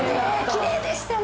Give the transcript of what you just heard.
きれいでしたね